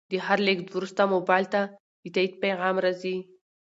د هر لیږد وروسته موبایل ته د تایید پیغام راځي.